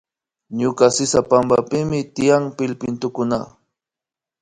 Ñuka sisapampapi tiyan pillpintukuna